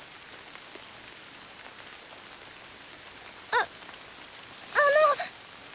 ああの！